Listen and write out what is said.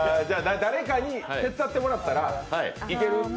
誰かに手伝ってもらったらいける？